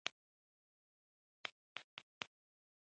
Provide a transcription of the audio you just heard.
ښوروا د سبو خوشبویه ترکیب لري.